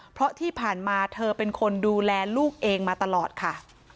เพราะที่ผ่านมาเธอเป็นคนดูแลลูกเองมาตลอดค่ะ